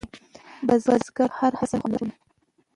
بزګر ته هره حاصل خوندور وي